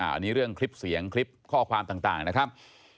อันนี้เรื่องคลิปเสียงคลิปข้อความต่างนะครับ